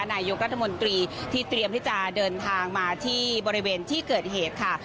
นายกรัฐมนตรีที่เตรียมที่จะเดินทางมาที่บริเวณที่เกิดเหตุค่ะ